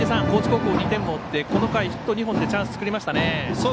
高知高校、２点を追ってこの回、ヒット２本でチャンスを作りましたね。